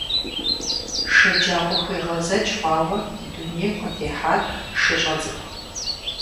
ШэджагъуэхуегъэзэкӀ хъуауэ дунейм къытехьат шыщӀэ цӀыкӀу.